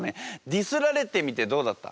ディスられてみてどうだった？